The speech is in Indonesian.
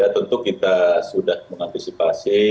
tentu kita sudah mengantisipasi